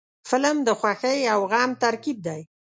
فلم د خوښۍ او غم ترکیب دی